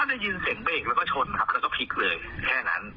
ได้ยินเสียงเบรกแล้วก็ชนครับแล้วก็พลิกเลยแค่นั้น